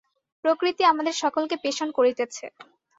প্রকৃতি আমাদের সকলকে পেষণ করিতেছে।